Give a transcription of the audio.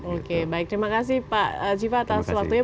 oke baik terima kasih pak jiva atas waktunya